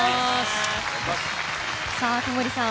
タモリさん